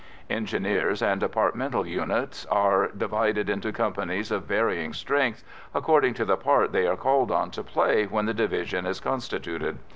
Engineers and departmental units are divided into companies of varying strengths, according to the part they are called on to play when the division is constituted.